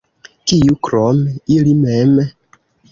Kiu, krom ili mem?